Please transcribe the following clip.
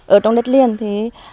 ở trong đất liền thì